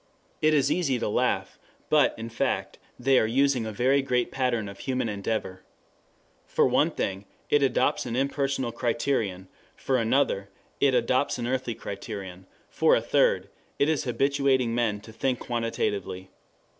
It is easy to laugh, but, in fact, they are using a very great pattern of human endeavor. For one thing it adopts an impersonal criterion; for another it adopts an earthly criterion; for a third it is habituating men to think quantitatively.